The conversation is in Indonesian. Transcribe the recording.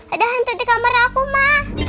ada hantu di kamar aku mah